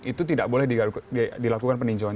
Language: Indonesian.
itu tidak boleh dilakukan peninjauan